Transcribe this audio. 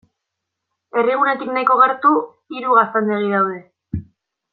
Herrigunetik nahiko gertu, hiru gaztandegi daude.